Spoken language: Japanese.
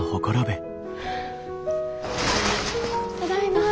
ただいま。